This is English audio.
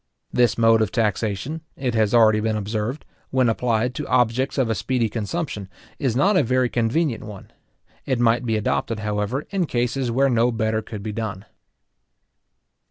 This mode of taxation, it has already been observed, when applied to objects of a speedy consumption, is not a very convenient one. It might be adopted, however, in cases where no better could be done.